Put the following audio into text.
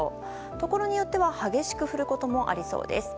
ところによっては激しく降ることもありそうです。